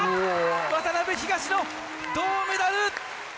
渡辺・東野、銅メダル！